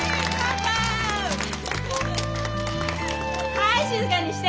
はい静かにして。